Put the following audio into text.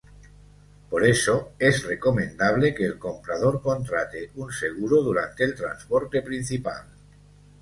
Por eso, es recomendable que el comprador contrate un seguro durante el transporte principal.